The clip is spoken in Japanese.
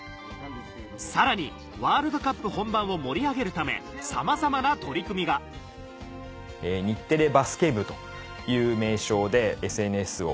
さらにワールドカップ本番を盛り上げるためさまざまな取り組みが名称で。